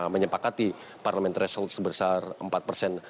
menyepakat di parlement threshold sebesar empat persen